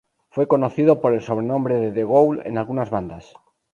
Fue conocido por el sobrenombre de "The Ghoul" en algunas bandas.